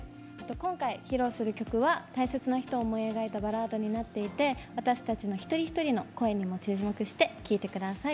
今回、披露する曲は大切な人を思う気持ちを思い描いたバラードになっていて私たち一人一人の声にも注目して聴いてください。